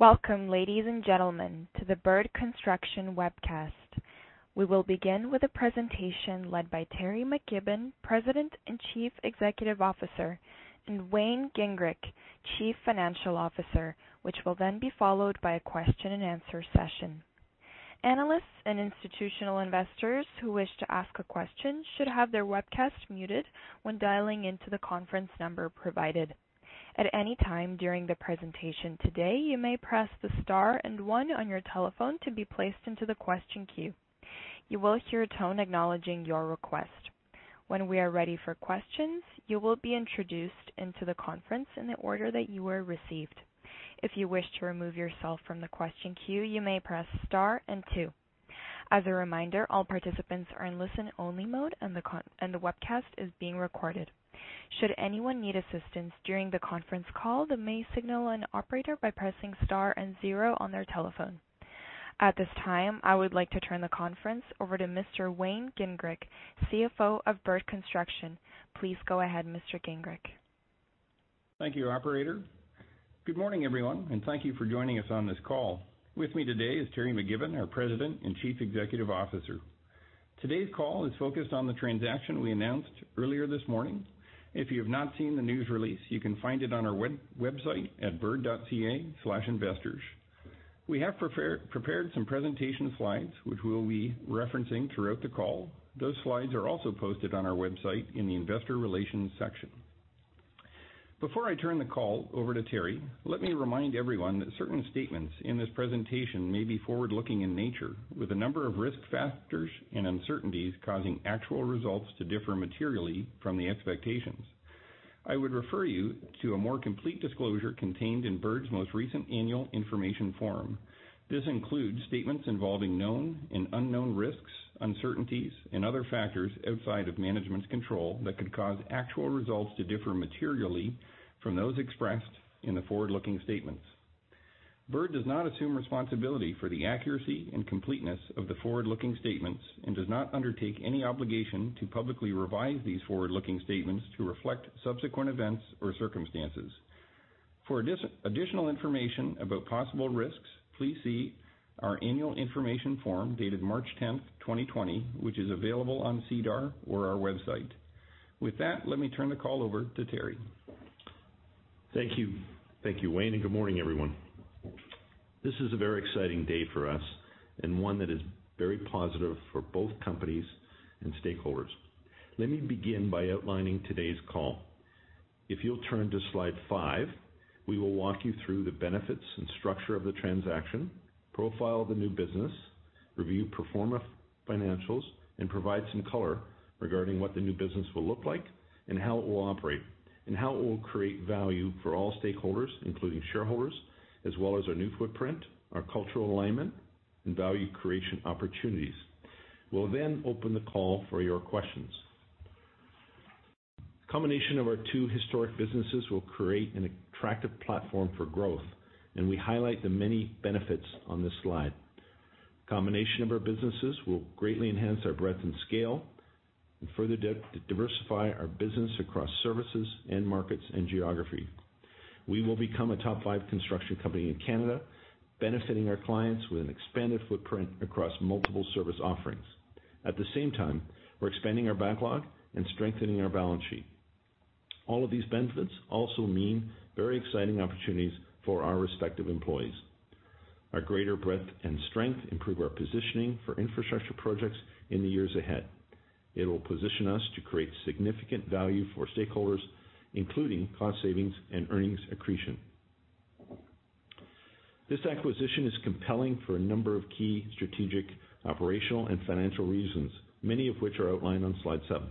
Welcome, ladies and gentlemen, to the Bird Construction webcast. We will begin with a presentation led by Terry McKibbon, President and Chief Executive Officer, and Wayne Gingrich, Chief Financial Officer, which will then be followed by a question and answer session. Analysts and institutional investors who wish to ask a question should have their webcast muted when dialing into the conference number provided. At any time during the presentation today, you may press the star and one on your telephone to be placed into the question queue. You will hear a tone acknowledging your request. When we are ready for questions, you will be introduced into the conference in the order that you were received. If you wish to remove yourself from the question queue, you may press star and two. As a reminder, all participants are in listen-only mode and the webcast is being recorded. Should anyone need assistance during the conference call, they may signal an operator by pressing star and zero on their telephone. At this time, I would like to turn the conference over to Mr. Wayne Gingrich, CFO of Bird Construction. Please go ahead, Mr. Gingrich. Thank you, operator. Good morning, everyone, and thank you for joining us on this call. With me today is Terry McKibbon, our President and Chief Executive Officer. Today's call is focused on the transaction we announced earlier this morning. If you have not seen the news release, you can find it on our website at bird.ca/investors. We have prepared some presentation slides, which we will be referencing throughout the call. Those slides are also posted on our website in the investor relations section. Before I turn the call over to Terry, let me remind everyone that certain statements in this presentation may be forward-looking in nature, with a number of risk factors and uncertainties causing actual results to differ materially from the expectations. I would refer you to a more complete disclosure contained in Bird's most recent annual information form. This includes statements involving known and unknown risks, uncertainties, and other factors outside of management's control that could cause actual results to differ materially from those expressed in the forward-looking statements. Bird does not assume responsibility for the accuracy and completeness of the forward-looking statements and does not undertake any obligation to publicly revise these forward-looking statements to reflect subsequent events or circumstances. For additional information about possible risks, please see our annual information form dated March 10th, 2020, which is available on SEDAR or our website. With that, let me turn the call over to Terry. Thank you. Thank you, Wayne, and good morning, everyone. This is a very exciting day for us and one that is very positive for both companies and stakeholders. Let me begin by outlining today's call. If you'll turn to slide five, we will walk you through the benefits and structure of the transaction, profile the new business, review pro forma financials, and provide some color regarding what the new business will look like and how it will operate, and how it will create value for all stakeholders, including shareholders, as well as our new footprint, our cultural alignment, and value creation opportunities. We'll open the call for your questions. Combination of our two historic businesses will create an attractive platform for growth, and we highlight the many benefits on this slide. Combination of our businesses will greatly enhance our breadth and scale and further diversify our business across services and markets and geography. We will become a top five construction company in Canada, benefiting our clients with an expanded footprint across multiple service offerings. At the same time, we're expanding our backlog and strengthening our balance sheet. All of these benefits also mean very exciting opportunities for our respective employees. Our greater breadth and strength improve our positioning for infrastructure projects in the years ahead. It will position us to create significant value for stakeholders, including cost savings and earnings accretion. This acquisition is compelling for a number of key strategic, operational, and financial reasons, many of which are outlined on slide seven.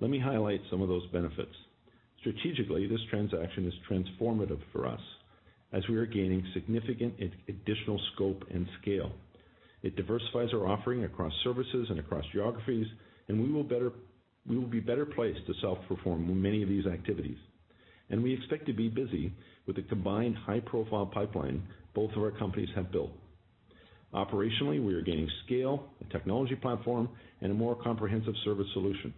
Let me highlight some of those benefits. Strategically, this transaction is transformative for us as we are gaining significant additional scope and scale. It diversifies our offering across services and across geographies, and we will be better placed to self-perform many of these activities, and we expect to be busy with the combined high-profile pipeline both of our companies have built. Operationally, we are gaining scale, a technology platform, and a more comprehensive service solution.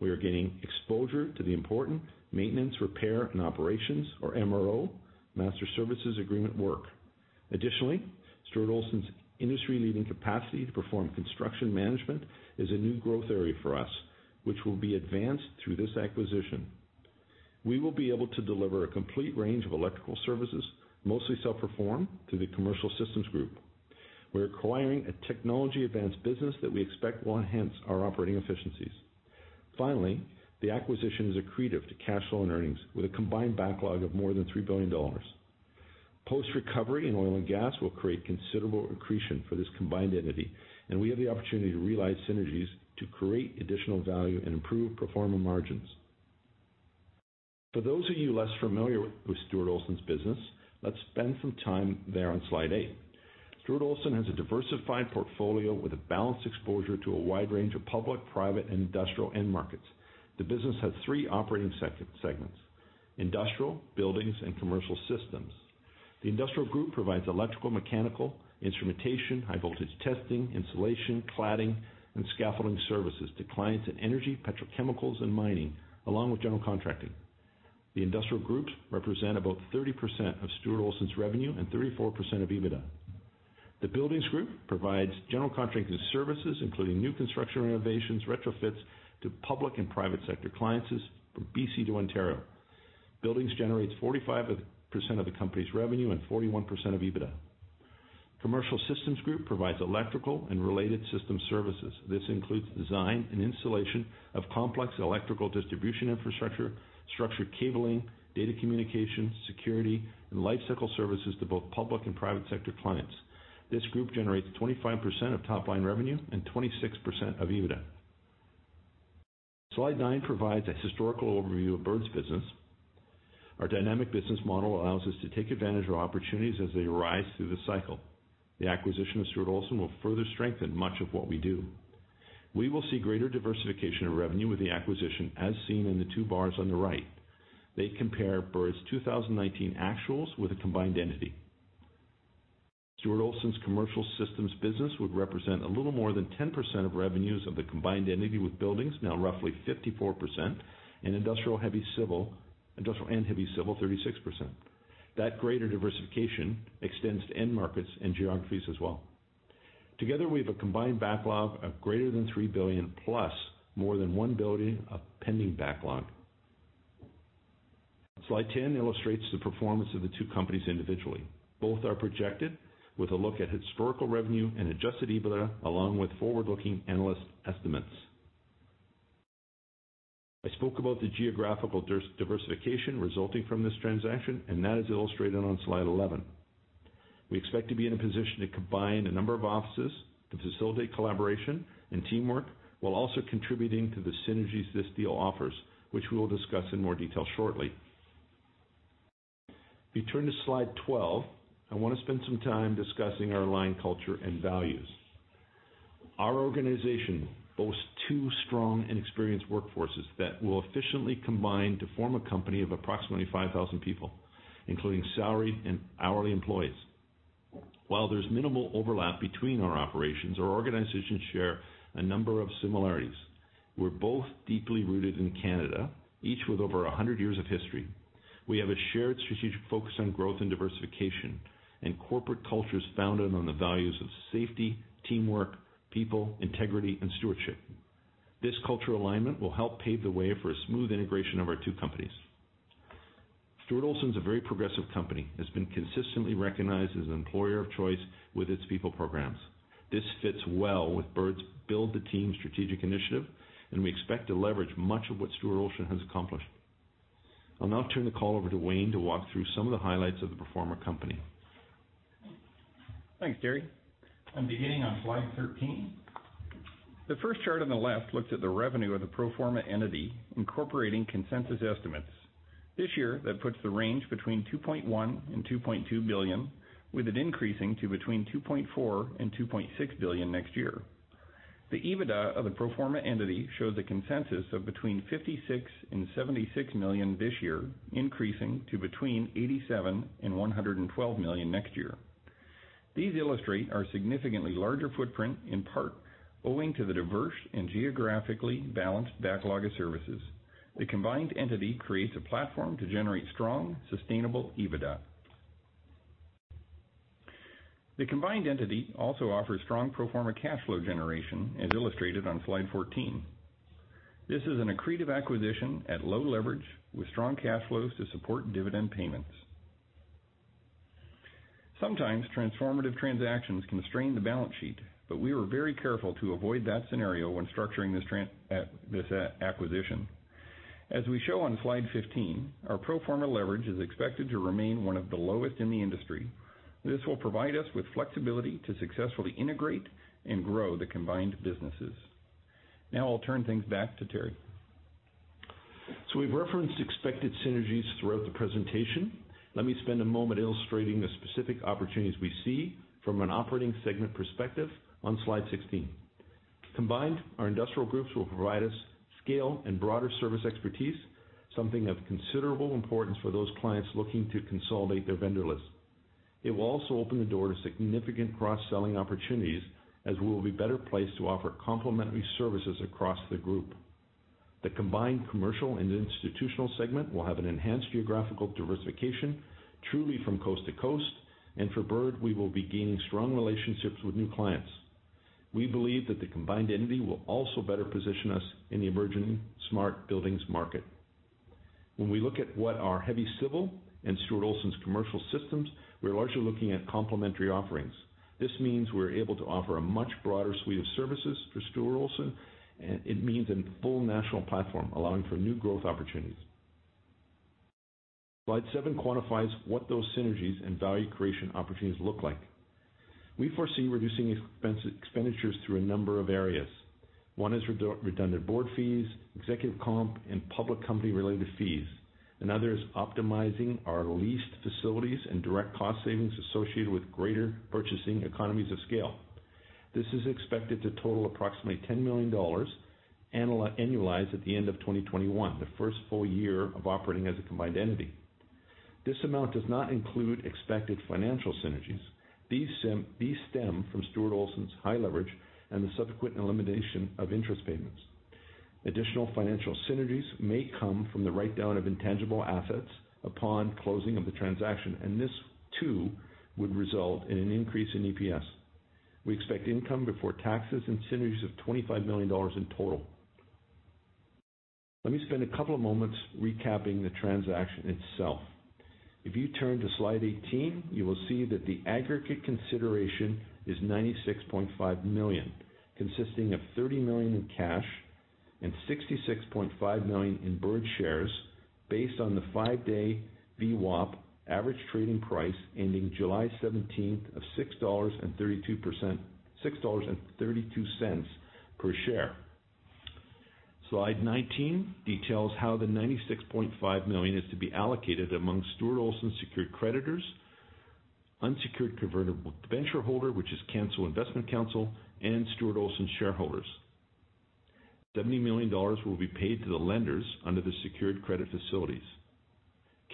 We are gaining exposure to the important maintenance, repair, and operations or MRO master services agreement work. Additionally, Stuart Olson's industry-leading capacity to perform construction management is a new growth area for us, which will be advanced through this acquisition. We will be able to deliver a complete range of electrical services, mostly self-performed through the Commercial Systems group. We're acquiring a technology-advanced business that we expect will enhance our operating efficiencies. Finally, the acquisition is accretive to cash flow and earnings with a combined backlog of more than 3 billion dollars. Post-recovery in oil and gas will create considerable accretion for this combined entity, and we have the opportunity to realize synergies to create additional value and improve pro forma margins. For those of you less familiar with Stuart Olson's business, let's spend some time there on slide eight. Stuart Olson has a diversified portfolio with a balanced exposure to a wide range of public, private, and industrial end markets. The business has three operating segments, Industrial, Buildings, and Commercial Systems. The Industrial Group provides electrical, mechanical, instrumentation, high voltage testing, insulation, cladding, and scaffolding services to clients in energy, petrochemicals, and mining, along with general contracting. The Industrial Group represents about 30% of Stuart Olson's revenue and 34% of EBITDA. The Buildings Group provides general contracting services, including new construction renovations, retrofits to public and private sector clients from B.C. to Ontario. Buildings generates 45% of the company's revenue and 41% of EBITDA. Commercial Systems Group provides electrical and related system services. This includes design and installation of complex electrical distribution infrastructure, structured cabling, data communication, security, and lifecycle services to both public and private sector clients. This group generates 25% of top-line revenue and 26% of EBITDA. Slide nine provides a historical overview of Bird's business. Our dynamic business model allows us to take advantage of opportunities as they arise through the cycle. The acquisition of Stuart Olson will further strengthen much of what we do. We will see greater diversification of revenue with the acquisition, as seen in the two bars on the right. They compare Bird's 2019 actuals with a combined entity. Stuart Olson's Commercial Systems business would represent a little more than 10% of revenues of the combined entity, with Buildings now roughly 54%, and Industrial and Heavy Civil, 36%. That greater diversification extends to end markets and geographies as well. Together, we have a combined backlog of greater than 3 billion, plus more than 1 billion of pending backlog. slide 10 illustrates the performance of the two companies individually. Both are projected with a look at historical revenue and adjusted EBITDA, along with forward-looking analyst estimates. I spoke about the geographical diversification resulting from this transaction, and that is illustrated on slide 11. We expect to be in a position to combine a number of offices to facilitate collaboration and teamwork, while also contributing to the synergies this deal offers, which we will discuss in more detail shortly. If you turn to slide 12, I want to spend some time discussing our aligned culture and values. Our organization boasts two strong and experienced workforces that will efficiently combine to form a company of approximately 5,000 people, including salary and hourly employees. While there's minimal overlap between our operations, our organizations share a number of similarities. We're both deeply rooted in Canada, each with over 100 years of history. We have a shared strategic focus on growth and diversification, and corporate cultures founded on the values of safety, teamwork, people, integrity, and stewardship. This cultural alignment will help pave the way for a smooth integration of our two companies. Stuart Olson is a very progressive company that's been consistently recognized as an employer of choice with its people programs. This fits well with Bird's Build the Team strategic initiative. We expect to leverage much of what Stuart Olson has accomplished. I'll now turn the call over to Wayne to walk through some of the highlights of the pro forma company. Thanks, Terry. I'm beginning on slide 13. The first chart on the left looks at the revenue of the pro forma entity, incorporating consensus estimates. This year, that puts the range between 2.1 billion and 2.2 billion, with it increasing to between 2.4 billion and 2.6 billion next year. The EBITDA of the pro forma entity shows a consensus of between 56 million and 76 million this year, increasing to between 87 million and 112 million next year. These illustrate our significantly larger footprint, in part owing to the diverse and geographically balanced backlog of services. The combined entity creates a platform to generate strong, sustainable EBITDA. The combined entity also offers strong pro forma cash flow generation, as illustrated on slide 14. This is an accretive acquisition at low leverage with strong cash flows to support dividend payments. Sometimes transformative transactions can strain the balance sheet, but we were very careful to avoid that scenario when structuring this acquisition. As we show on slide 15, our pro forma leverage is expected to remain one of the lowest in the industry. This will provide us with flexibility to successfully integrate and grow the combined businesses. Now I'll turn things back to Terry. We've referenced expected synergies throughout the presentation. Let me spend a moment illustrating the specific opportunities we see from an operating segment perspective on slide 16. Combined, our industrial groups will provide us scale and broader service expertise, something of considerable importance for those clients looking to consolidate their vendor lists. It will also open the door to significant cross-selling opportunities, as we will be better placed to offer complementary services across the group. The combined commercial and institutional segment will have an enhanced geographical diversification, truly from coast to coast, and for Bird, we will be gaining strong relationships with new clients. We believe that the combined entity will also better position us in the emerging smart buildings market. When we look at what our Heavy Civil and Stuart Olson's Commercial Systems, we're largely looking at complementary offerings. This means we're able to offer a much broader suite of services for Stuart Olson, and it means a full national platform, allowing for new growth opportunities. slide 17 quantifies what those synergies and value creation opportunities look like. We foresee reducing expenditures through a number of areas. One is redundant board fees, executive comp, and public company-related fees. Another is optimizing our leased facilities and direct cost savings associated with greater purchasing economies of scale. This is expected to total approximately 10 million dollars, annualized at the end of 2021, the first full year of operating as a combined entity. This amount does not include expected financial synergies. These stem from Stuart Olson's high leverage and the subsequent elimination of interest payments. Additional financial synergies may come from the write-down of intangible assets upon closing of the transaction, and this too would result in an increase in EPS. We expect income before taxes and synergies of 25 million dollars in total. Let me spend a couple of moments recapping the transaction itself. If you turn to slide 18, you will see that the aggregate consideration is 96.5 million, consisting of 30 million in cash and 66.5 million in Bird shares based on the five-day VWAP average trading price ending July 17th of 6.32 dollars per share. slide 19 details how the 96.5 million is to be allocated among Stuart Olson secured creditors, unsecured convertible debenture holder, which is Canso Investment Counsel, and Stuart Olson shareholders. 70 million dollars will be paid to the lenders under the secured credit facilities.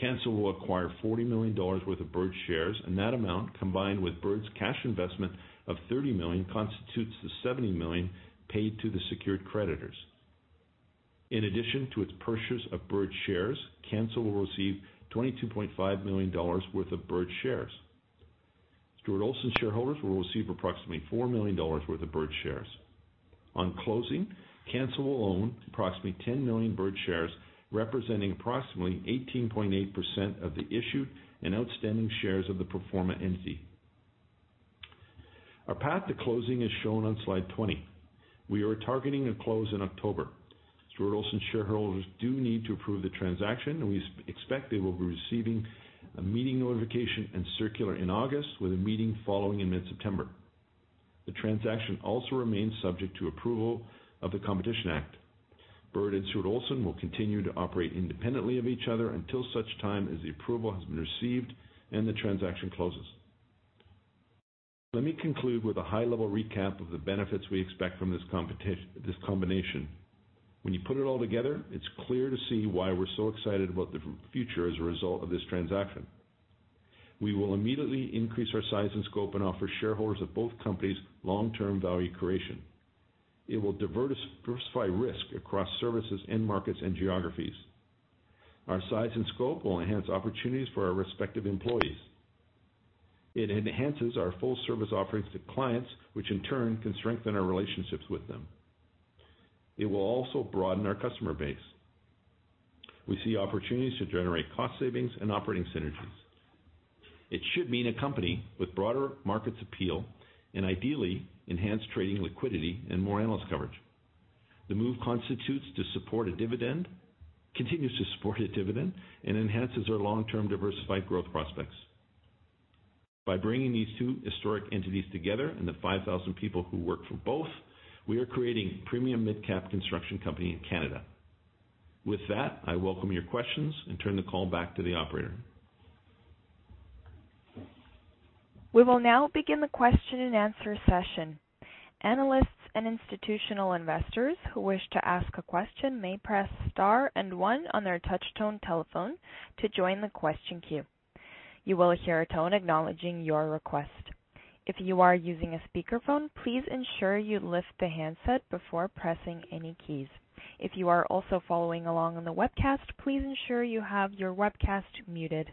Canso will acquire 40 million dollars worth of Bird shares, and that amount, combined with Bird's cash investment of 30 million, constitutes the 70 million paid to the secured creditors. In addition to its purchase of Bird shares, Canso will receive 22.5 million dollars worth of Bird shares. Stuart Olson shareholders will receive approximately 4 million dollars worth of Bird shares. On closing, Canso will own approximately 10 million Bird shares, representing approximately 18.8% of the issued and outstanding shares of the pro forma entity. Our path to closing is shown on slide 20. We are targeting a close in October. Stuart Olson shareholders do need to approve the transaction, and we expect they will be receiving a meeting notification and circular in August, with a meeting following in mid-September. The transaction also remains subject to approval of the Competition Act. Bird and Stuart Olson will continue to operate independently of each other until such time as the approval has been received and the transaction closes. Let me conclude with a high-level recap of the benefits we expect from this combination. When you put it all together, it's clear to see why we're so excited about the future as a result of this transaction. We will immediately increase our size and scope and offer shareholders of both companies long-term value creation. It will diversify risk across services, end markets, and geographies. Our size and scope will enhance opportunities for our respective employees. It enhances our full-service offerings to clients, which in turn can strengthen our relationships with them. It will also broaden our customer base. We see opportunities to generate cost savings and operating synergies. It should mean a company with broader markets appeal and ideally enhanced trading liquidity and more analyst coverage. The move continues to support a dividend and enhances our long-term diversified growth prospects. By bringing these two historic entities together and the 5,000 people who work for both, we are creating a premium mid-cap construction company in Canada. With that, I welcome your questions and turn the call back to the operator. We will now begin the question and answer session. Analysts and institutional investors who wish to ask a question may press star and one on their touch-tone telephone to join the question queue. You will hear a tone acknowledging your request. If you are using a speakerphone, please ensure you lift the handset before pressing any keys. If you are also following along on the webcast, please ensure you have your webcast muted.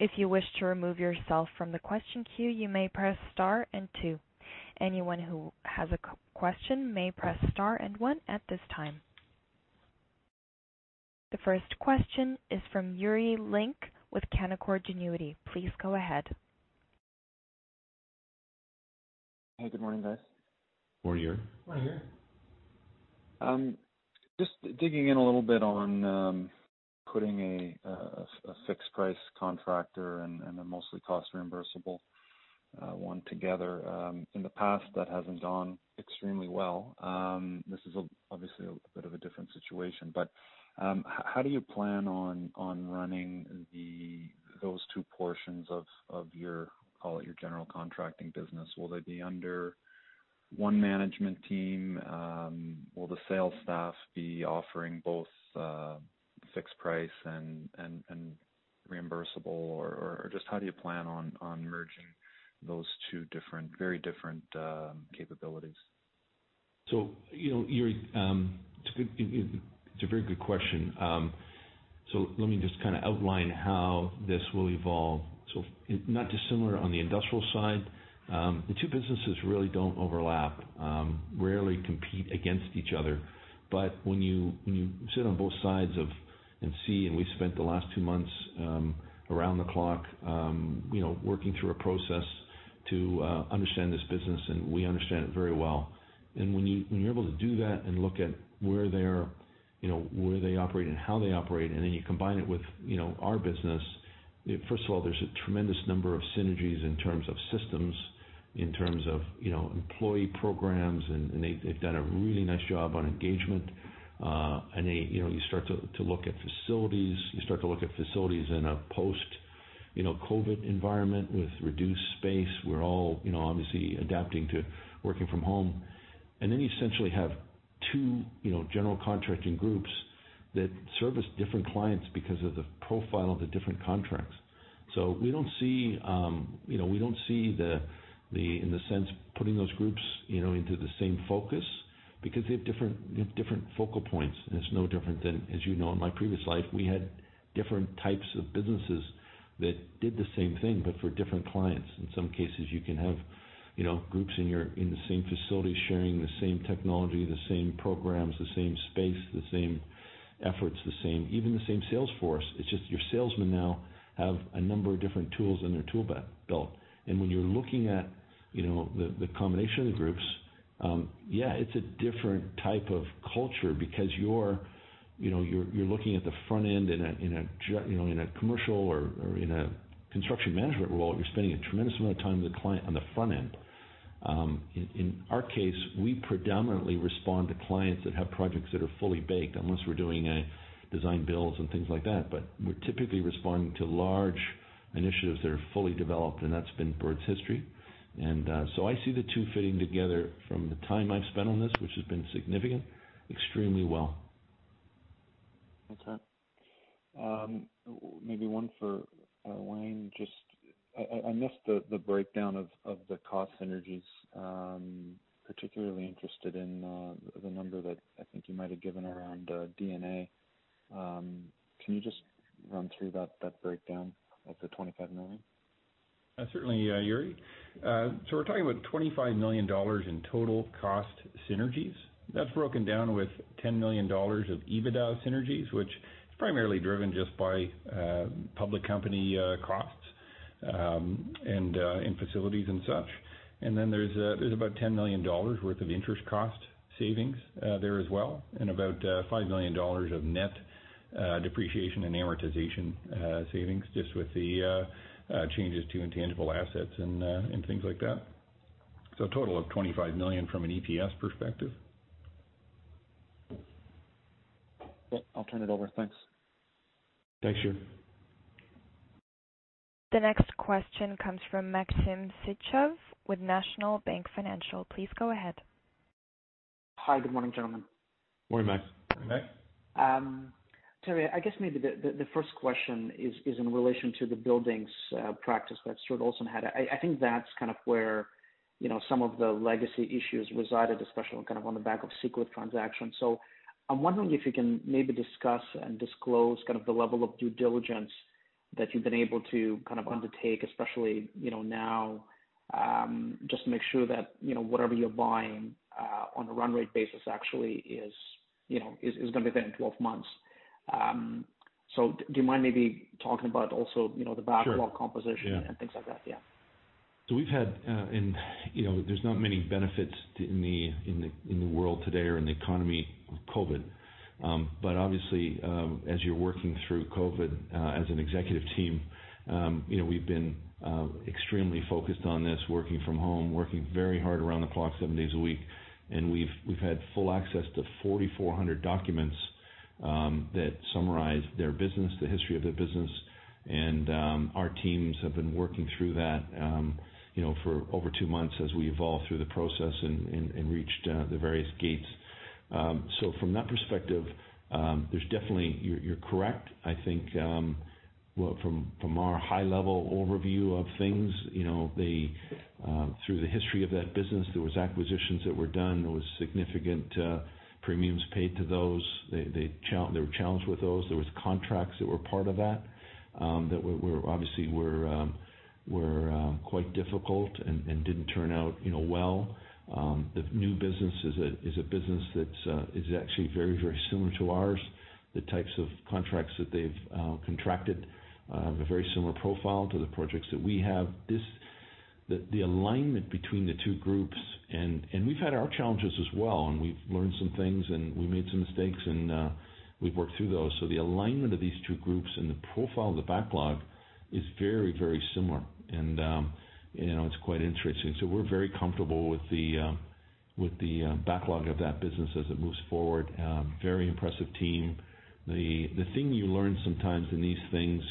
If you wish to remove yourself from the question queue, you may press star and two. Anyone who has a question may press star and one at this time. The first question is from Yuri Lynk with Canaccord Genuity. Please go ahead. Hey, good morning, guys. Morning, Yuri. Morning, Yuri. Just digging in a little bit on putting a fixed price contractor and a mostly cost-reimbursable one together. In the past, that hasn't gone extremely well. This is obviously a bit of a different situation, but how do you plan on running those two portions of your, call it your general contracting business? Will they be under one management team? Will the sales staff be offering both fixed price and reimbursable, or just how do you plan on merging those two very different capabilities? Yuri, it's a very good question. Let me just outline how this will evolve. Not dissimilar on the industrial side, the two businesses really don't overlap, rarely compete against each other. When you sit on both sides of, and we spent the last two months around the clock working through a process to understand this business, and we understand it very well. When you're able to do that and look at where they operate and how they operate, and then you combine it with our business, first of all, there's a tremendous number of synergies in terms of systems, in terms of employee programs, and they've done a really nice job on engagement. You start to look at facilities in a post-COVID environment with reduced space. We're all obviously adapting to working from home. Then you essentially have two general contracting groups that service different clients because of the profile of the different contracts. So we don't see in the sense, putting those groups into the same focus because they have different focal points. It's no different than, as you know, in my previous life, we had different types of businesses that did the same thing, but for different clients. In some cases you can have groups in the same facility sharing the same technology, the same programs, the same space, the same efforts, even the same sales force. It's just your salesmen now have a number of different tools in their tool belt. When you're looking at the combination of the groups, yeah, it's a different type of culture because you're looking at the front end in a commercial or in a construction management role, you're spending a tremendous amount of time with a client on the front end. In our case, we predominantly respond to clients that have projects that are fully baked unless we're doing design builds and things like that. We're typically responding to large initiatives that are fully developed and that's been Bird's history. I see the two fitting together from the time I've spent on this, which has been significant, extremely well. Maybe one for Wayne, just I missed the breakdown of the cost synergies. Particularly interested in the number that I think you might have given around D&A. Can you just run through that breakdown of the 25 million? Certainly, Yuri. We're talking about 25 million dollars in total cost synergies. That's broken down with 10 million dollars of EBITDA synergies, which is primarily driven just by public company costs, and in facilities and such. There's about 10 million dollars worth of interest cost savings there as well, and about 5 million dollars of net Depreciation and Amortization savings just with the changes to intangible assets and things like that. A total of 25 million from an EPS perspective. Yeah, I'll turn it over. Thanks. Thanks, Yuri. The next question comes from Maxim Sytchev with National Bank Financial. Please go ahead. Hi. Good morning, gentlemen. Morning, Maxim. Terry, the first question is in relation to the buildings practice that Stuart Olson had. I think that's where some of the legacy issues resided, especially on the back of select transactions. I'm wondering if you can discuss and disclose the level of due diligence that you've been able to undertake, especially now, just to make sure that whatever you're buying on a run rate basis is going to be there in 12 months. Do you mind talking about also the backlog composition? Sure, yeah. -things like that? Yeah. There's not many benefits in the world today or in the economy with COVID. Obviously, as you're working through COVID, as an executive team, we've been extremely focused on this, working from home, working very hard around the clock, seven days a week. We've had full access to 4,400 documents that summarize their business, the history of their business. Our teams have been working through that for over two months as we evolve through the process and reached the various gates. From that perspective, you're correct. I think, from our high level overview of things, through the history of that business, there was acquisitions that were done. There was significant premiums paid to those. They were challenged with those. There was contracts that were part of that obviously were quite difficult and didn't turn out well. The new business is a business that is actually very similar to ours. The types of contracts that they've contracted have a very similar profile to the projects that we have. The alignment between the two groups, and we've had our challenges as well, and we've learned some things and we made some mistakes and we've worked through those. The alignment of these two groups and the profile of the backlog is very similar and it's quite interesting. We're very comfortable with the backlog of that business as it moves forward. Very impressive team. The thing you learn sometimes in these things,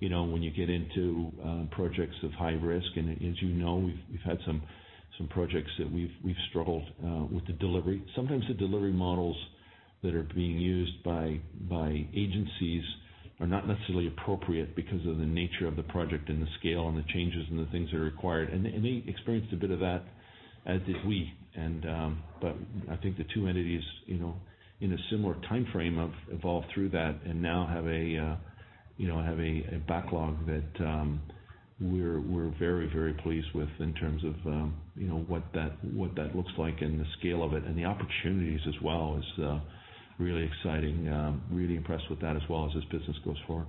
when you get into projects of high risk, and as you know, we've had some projects that we've struggled with the delivery. Sometimes the delivery models that are being used by agencies are not necessarily appropriate because of the nature of the project and the scale and the changes and the things that are required. They experienced a bit of that, as did we. I think the two entities in a similar timeframe have evolved through that and now have a backlog that we're very pleased with in terms of what that looks like and the scale of it. The opportunities as well is really exciting. I'm really impressed with that as well as this business goes forward.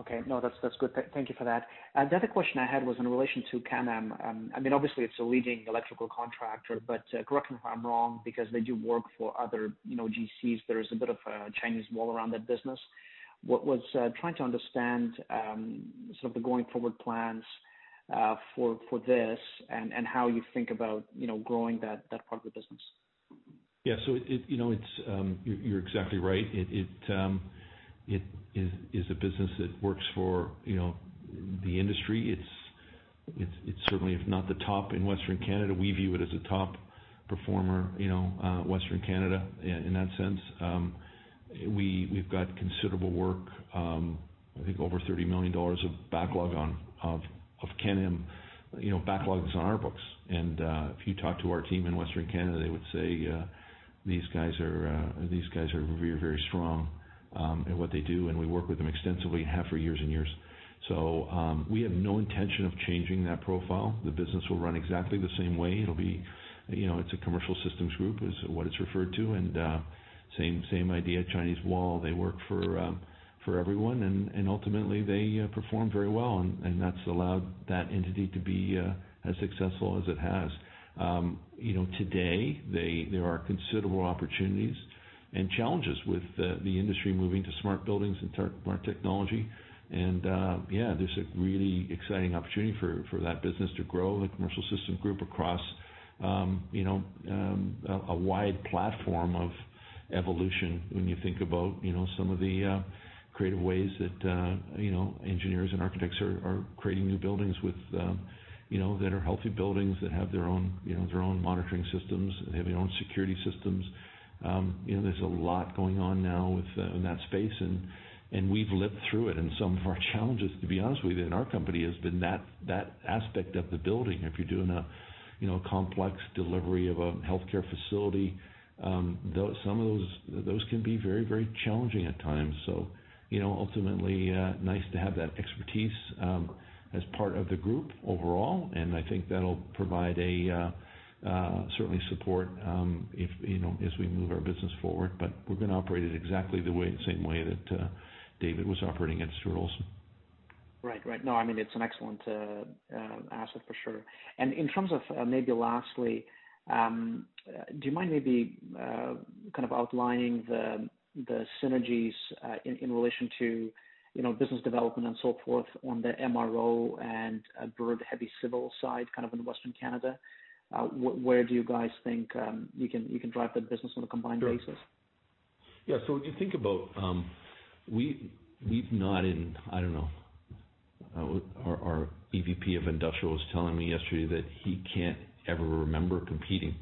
Okay. No, that's good. Thank you for that. The other question I had was in relation to Canem. I mean, obviously it's a leading electrical contractor, but correct me if I'm wrong, because they do work for other GCs, there is a bit of a Chinese wall around that business. I was trying to understand sort of the going forward plans for this and how you think about growing that part of the business. You're exactly right. It is a business that works for the industry. It's certainly, if not the top in Western Canada, we view it as a top performer, Western Canada, in that sense. We've got considerable work, I think over 30 million dollars of Canem backlogs on our books. If you talk to our team in Western Canada, they would say, these guys are very strong at what they do, and we work with them extensively and have for years and years. We have no intention of changing that profile. The business will run exactly the same way. It's a Commercial Systems group, is what it's referred to. Same idea, Chinese wall. They work for everyone and ultimately they perform very well. That's allowed that entity to be as successful as it has. Today, there are considerable opportunities and challenges with the industry moving to smart buildings and smart technology. Yeah, there's a really exciting opportunity for that business to grow, the Commercial Systems, across a wide platform of evolution when you think about some of the creative ways that engineers and architects are creating new buildings that are healthy buildings, that have their own monitoring systems, that have their own security systems. There's a lot going on now in that space, and we've lived through it. Some of our challenges, to be honest with you, in our company, has been that aspect of the building. If you're doing a complex delivery of a healthcare facility, some of those can be very challenging at times. Ultimately, nice to have that expertise as part of the group overall, and I think that'll provide a certainly support as we move our business forward. We're going to operate it exactly the same way that David was operating it at Stuart Olson. Right. No, it's an excellent asset for sure. In terms of, maybe lastly, do you mind maybe outlining the synergies in relation to business development and so forth on the MRO and Bird Heavy Civil side in Western Canada? Where do you guys think you can drive that business on a combined basis? Sure. Yeah. If you think about, our EVP of Industrial was telling me yesterday that he can't ever remember competing,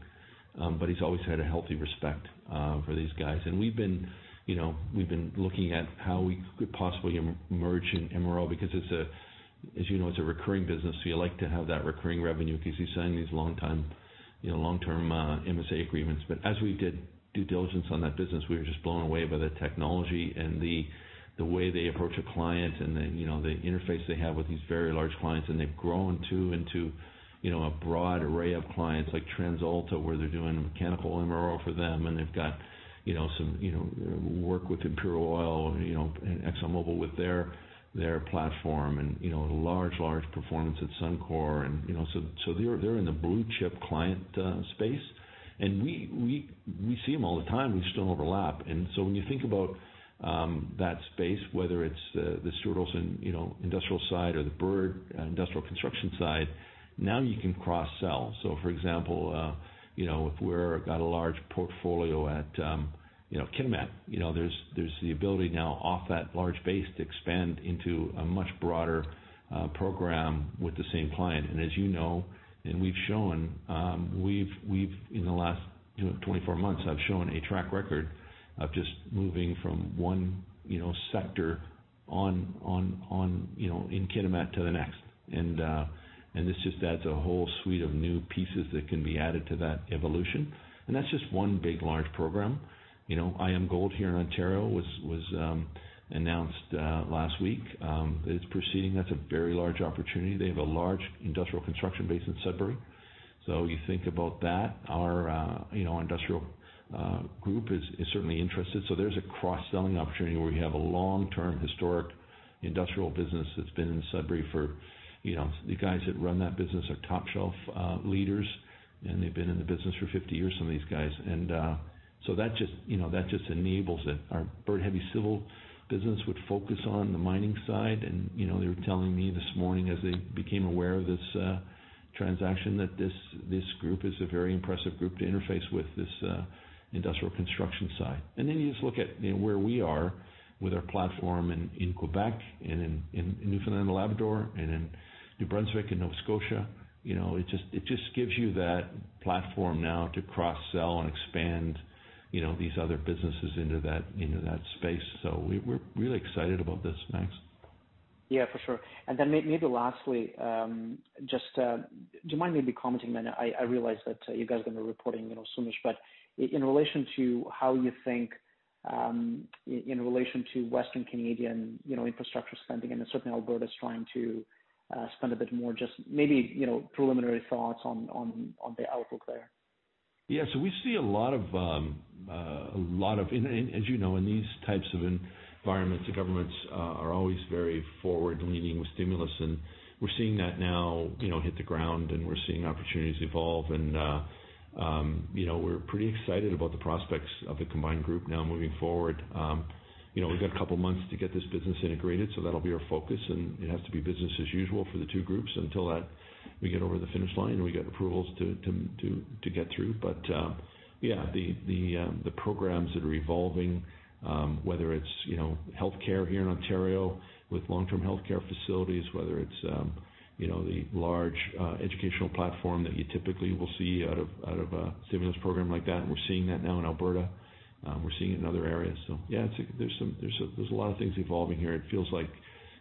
but he's always had a healthy respect for these guys. We've been looking at how we could possibly merge in MRO because as you know, it's a recurring business, so you like to have that recurring revenue because he's signing these long-term MSA agreements. As we did due diligence on that business, we were just blown away by the technology and the way they approach a client and the interface they have with these very large clients. They've grown too, into a broad array of clients, like TransAlta, where they're doing mechanical MRO for them, and they've got some work with Imperial Oil and ExxonMobil with their platform and a large performance at Suncor. They're in the blue-chip client space, and we see them all the time. We still overlap. When you think about that space, whether it's the Stuart Olson Industrial side or the Bird Industrial Construction side, now you can cross-sell. For example, if we're got a large portfolio at Kearl, there's the ability now off that large base to expand into a much broader program with the same client. As you know, and we've shown, in the last 24 months, I've shown a track record of just moving from one sector in Kearl to the next. This just adds a whole suite of new pieces that can be added to that evolution. That's just one big, large program. IAMGOLD here in Ontario was announced last week. It's proceeding. That's a very large opportunity. They have a large industrial construction base in Sudbury. You think about that. Our industrial group is certainly interested. There's a cross-selling opportunity where we have a long-term historic industrial business that's been in Sudbury for The guys that run that business are top-shelf leaders, and they've been in the business for 50 years, some of these guys. That just enables it. Our Bird Heavy Civil business would focus on the mining side, and they were telling me this morning as they became aware of this transaction, that this group is a very impressive group to interface with, this industrial construction side. You just look at where we are with our platform in Quebec and in Newfoundland and Labrador and in New Brunswick and Nova Scotia. It just gives you that platform now to cross-sell and expand these other businesses into that space. We're really excited about this, Max. Yeah, for sure. Maybe lastly, do you mind maybe commenting, I realize that you guys are going to be reporting soonish, but in relation to how you think in relation to Western Canadian infrastructure spending, and certainly Alberta's trying to spend a bit more, just maybe preliminary thoughts on the outlook there. We see a lot of, as you know, in these types of environments, the governments are always very forward-leaning with stimulus, and we're seeing that now hit the ground, and we're seeing opportunities evolve. We're pretty excited about the prospects of the combined group now moving forward. We've got a couple of months to get this business integrated, that'll be our focus, and it has to be business as usual for the two groups until we get over the finish line, and we get approvals to get through. The programs that are evolving, whether it's healthcare here in Ontario with long-term healthcare facilities, whether it's the large educational platform that you typically will see out of a stimulus program like that, we're seeing that now in Alberta. We're seeing it in other areas. There's a lot of things evolving here. It feels like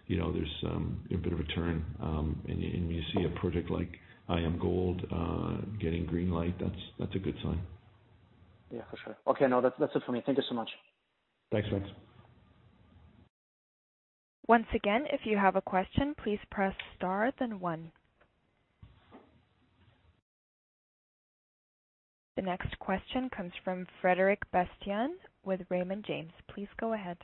there's a bit of a turn, and you see a project like IAMGOLD getting green light, that's a good sign. Yeah, for sure. Okay, no, that's it for me. Thank you so much. Thanks, Maxim. Once again, if you have a question, please press star, then one. The next question comes from Frédéric Bastien with Raymond James. Please go ahead.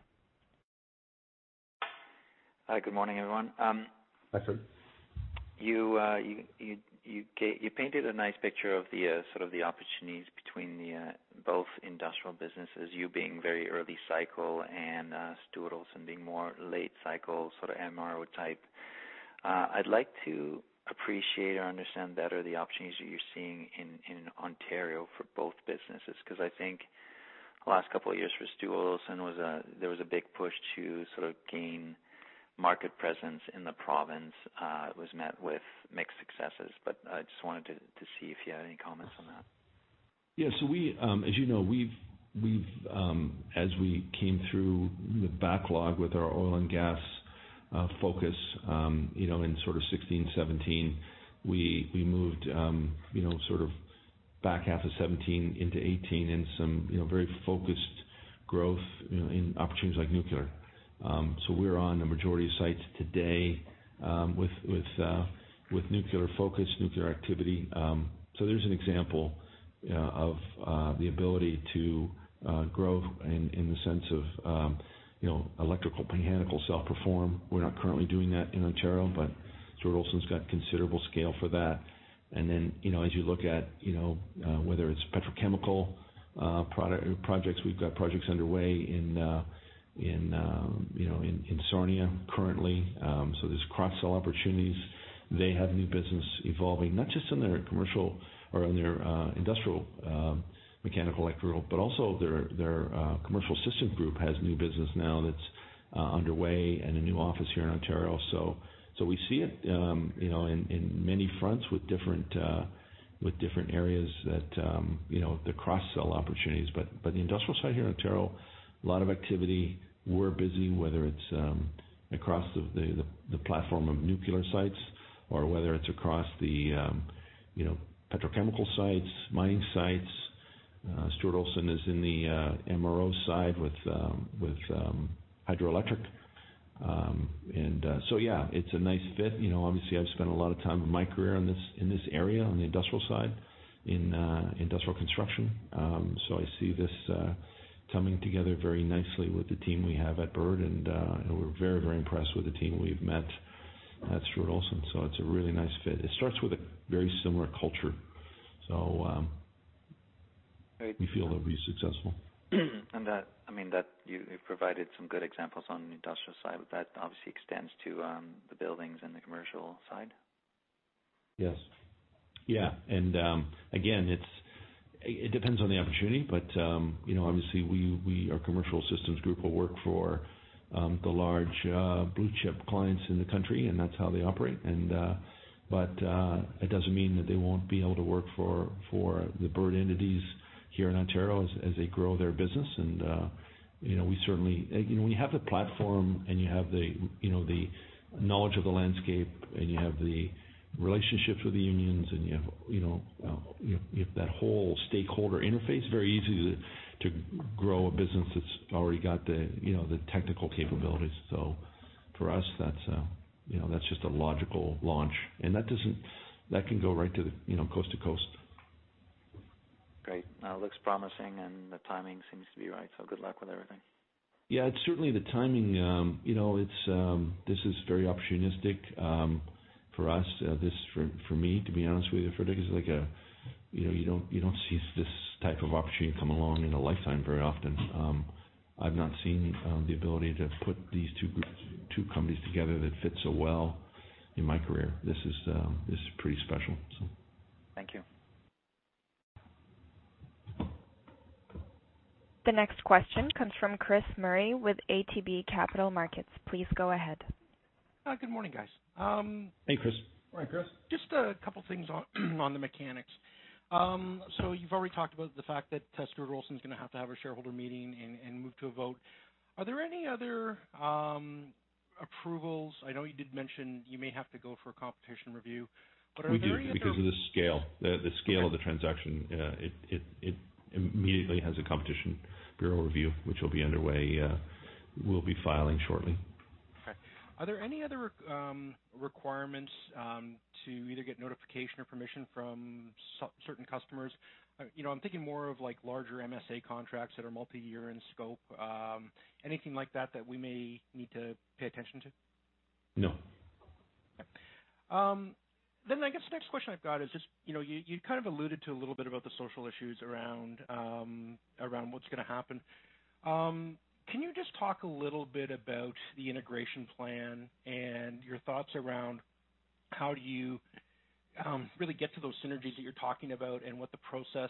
Hi. Good morning, everyone. Hi, Fred. You painted a nice picture of the sort of the opportunities between the both industrial businesses, you being very early cycle and Stuart Olson being more late cycle, sort of MRO type. I'd like to appreciate or understand better the opportunities that you're seeing in Ontario for both businesses, because I think the last couple of years for Stuart Olson there was a big push to sort of gain market presence in the province. It was met with mixed successes. I just wanted to see if you had any comments on that. Yeah. As you know, as we came through the backlog with our oil and gas focus in 2016, 2017, we moved back half of 2017 into 2018 in some very focused growth in opportunities like nuclear. We're on the majority of sites today with nuclear focus, nuclear activity. There's an example of the ability to grow in the sense of electrical, mechanical, self-perform. We're not currently doing that in Ontario, but Stuart Olson's got considerable scale for that. As you look at whether it's petrochemical projects, we've got projects underway in Sarnia currently. There's cross-sell opportunities. They have new business evolving, not just in their commercial or in their industrial, mechanical, electrical, but also their Commercial Systems group has new business now that's underway and a new office here in Ontario. We see it in many fronts with different areas that the cross-sell opportunities. The industrial side here in Ontario, a lot of activity. We're busy, whether it's across the platform of nuclear sites or whether it's across the petrochemical sites, mining sites. Stuart Olson is in the MRO side with hydroelectric. Yeah, it's a nice fit. Obviously, I've spent a lot of time in my career in this area, on the industrial side, in industrial construction. I see this coming together very nicely with the team we have at Bird, and we're very impressed with the team we've met at Stuart Olson. It's a really nice fit. It starts with a very similar culture. We feel it'll be successful. I mean, you provided some good examples on the industrial side, that obviously extends to the buildings and the commercial side. Yes. Again, it depends on the opportunity. Obviously our Commercial Systems group will work for the large blue-chip clients in the country, and that's how they operate. That doesn't mean that they won't be able to work for the Bird entities here in Ontario as they grow their business. When you have the platform and you have the knowledge of the landscape and you have the relationships with the unions and you have that whole stakeholder interface, very easy to grow a business that's already got the technical capabilities. For us, that's just a logical launch. That can go right coast to coast. Great. No, looks promising, and the timing seems to be right. Good luck with everything. Yeah, certainly the timing. This is very opportunistic for us. This, for me, to be honest with you, Frédéric, it's like you don't see this type of opportunity come along in a lifetime very often. I've not seen the ability to put these two companies together that fit so well in my career. This is pretty special, so. Thank you. The next question comes from Chris Murray with ATB Capital Markets. Please go ahead. Good morning, guys. Hey, Chris. Morning, Chris. Just a couple of things on the mechanics. You've already talked about the fact that Stuart Olson's going to have to have a shareholder meeting and move to a vote. Are there any other approvals? I know you did mention you may have to go for a competition review. We do because of the scale of the transaction. It immediately has a Competition Bureau review, which will be underway. We'll be filing shortly. Okay. Are there any other requirements to either get notification or permission from certain customers? I'm thinking more of larger MSA contracts that are multi-year in scope. Anything like that that we may need to pay attention to? No. Okay. I guess the next question I've got is just, you kind of alluded to a little bit about the social issues around what's going to happen. Can you just talk a little bit about the integration plan and your thoughts around how do you really get to those synergies that you're talking about, and what the process,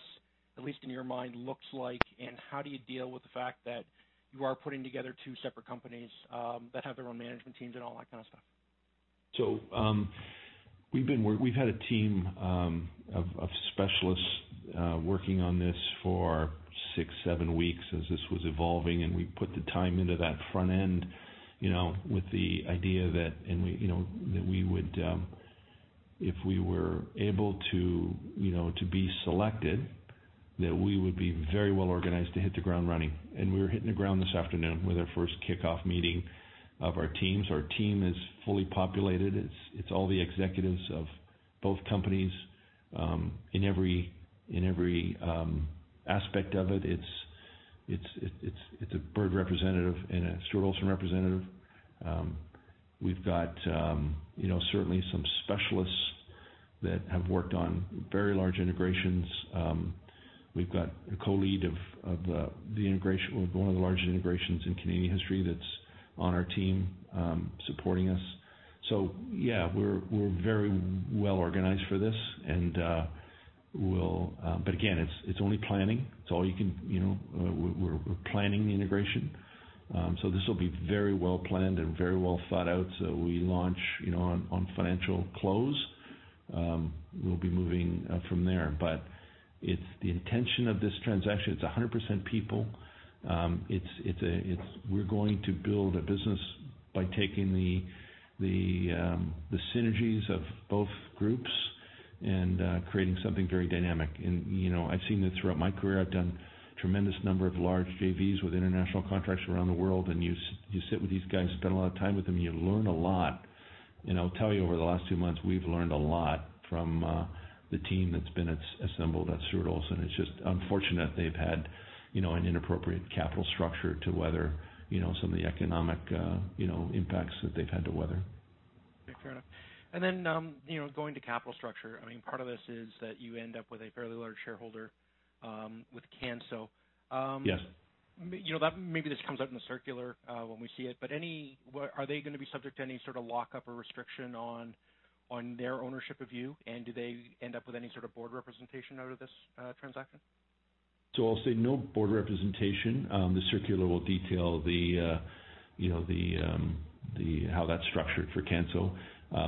at least in your mind, looks like? How do you deal with the fact that you are putting together two separate companies that have their own management teams and all that kind of stuff? We've had a team of specialists working on this for six, seven weeks as this was evolving, we put the time into that front end with the idea that if we were able to be selected, that we would be very well organized to hit the ground running. We're hitting the ground this afternoon with our first kickoff meeting of our teams. Our team is fully populated. It's all the executives of both companies, in every aspect of it. It's a Bird representative and a Stuart Olson representative. We've got certainly some specialists that have worked on very large integrations. We've got a co-lead of one of the largest integrations in Canadian history that's on our team, supporting us. Yeah, we're very well organized for this. Again, it's only planning. We're planning the integration. This will be very well planned and very well thought out. We launch on financial close. We'll be moving from there. The intention of this transaction, it's 100% people. We're going to build a business by taking the synergies of both groups and creating something very dynamic. I've seen that throughout my career. I've done tremendous number of large JVs with international contracts around the world, and you sit with these guys, spend a lot of time with them, you learn a lot. I'll tell you, over the last two months, we've learned a lot from the team that's been assembled at Stuart Olson. It's just unfortunate they've had an inappropriate capital structure to weather some of the economic impacts that they've had to weather. Okay, fair enough. Going to capital structure, part of this is that you end up with a fairly large shareholder, with Canso. Yes. Maybe this comes out in the circular when we see it, are they going to be subject to any sort of lock-up or restriction on their ownership of you? Do they end up with any sort of board representation out of this transaction? I'll say no board representation. The circular will detail how that's structured for Canso.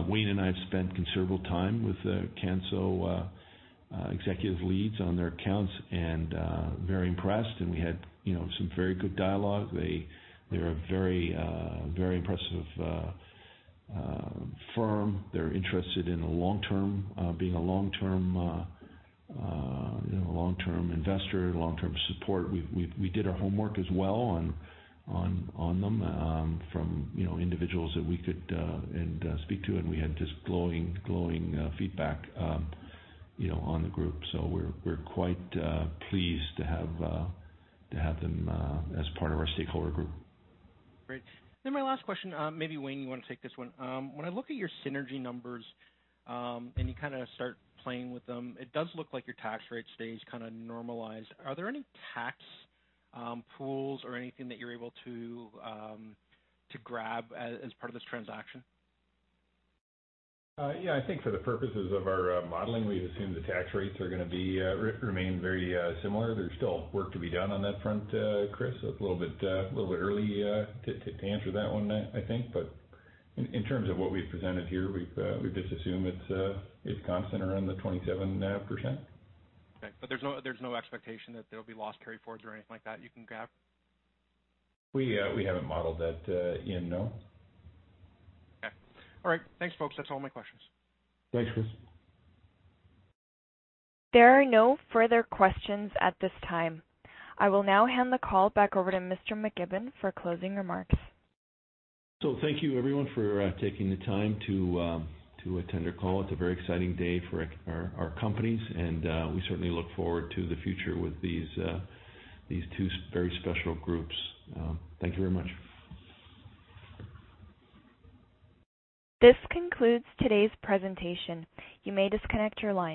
Wayne and I have spent considerable time with Canso executive leads on their accounts and very impressed, and we had some very good dialogue. They're a very impressive firm. They're interested in being a long-term investor, long-term support. We did our homework as well on them from individuals that we could speak to, and we had just glowing feedback on the group. We're quite pleased to have them as part of our stakeholder group. Great. My last question, maybe Wayne, you want to take this one. When I look at your synergy numbers, and you start playing with them, it does look like your tax rate stays normalized. Are there any tax pools or anything that you're able to grab as part of this transaction? Yeah, I think for the purposes of our modeling, we've assumed the tax rates are going to remain very similar. There's still work to be done on that front, Chris. A little bit early to answer that one, I think. In terms of what we've presented here, we've just assumed it's constant around the 27%. There's no expectation that there'll be loss carryforwards or anything like that you can grab? We haven't modeled that in, no. Okay. All right. Thanks, folks. That's all my questions. Thanks, Chris. There are no further questions at this time. I will now hand the call back over to Mr. McKibbon for closing remarks. Thank you everyone for taking the time to attend our call. It's a very exciting day for our companies, and we certainly look forward to the future with these two very special groups. Thank you very much. This concludes today's presentation. You may disconnect your lines.